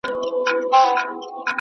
د کرنې وزارت راتلونکي ته هیله مند دی.